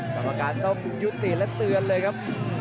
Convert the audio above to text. กรรมการต้องยุติและเตือนเลยครับ